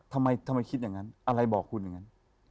ทำไมคิดอย่างนั้นอะไรบอกคุณอย่างนั้น